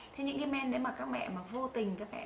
thì những cái men đấy mà các mẹ vô tình